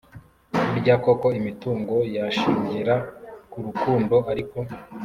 burya koko imitungo yashingira kurukundo ariko